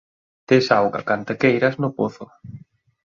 _Tes auga canta queiras no pozo.